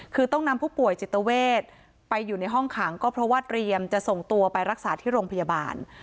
คือต้องนำผู้ป่วยจิตเวทไปอยู่ในห้องขังก็เพราะว่าเตรียมจะส่งตัวไปรักษาที่โรงพยาบาล